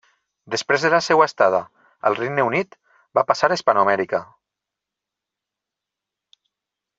Després de la seva estada al Regne Unit va passar a Hispanoamèrica.